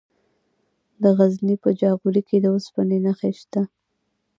د غزني په جاغوري کې د اوسپنې نښې شته.